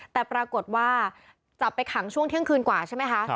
แต่ปรากฏว่าจับไปขังช่วงเที่ยงคืนกว่าใช่ไหมคะ